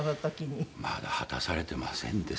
まだ果たされてませんですね。